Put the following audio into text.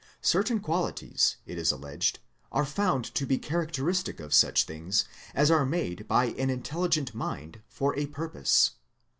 Certain qualities, it is alleged, are found to be characteristic of such things as are made by an intelligent mind for a purpose.